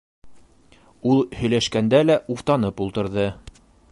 Ул һөйләшкәндә лә уфтанып ултырҙы.